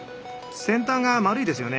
先端が丸いですよね。